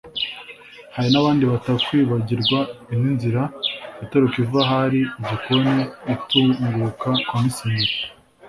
Hari n’abandi batakwibagirwa indi nzira itoroka iva ahari igikoni itunguka kwa Musenyeri